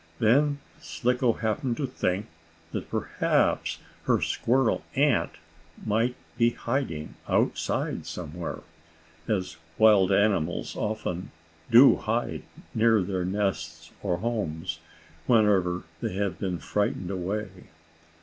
Then Slicko happened to think that perhaps her squirrel aunt might be hiding outside somewhere, as wild animals often do hide, near their nests, or homes, whenever they have been frightened away.